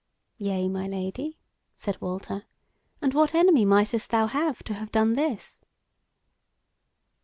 "Yea, my Lady," said Walter; "and what enemy mightest thou have to have done this?"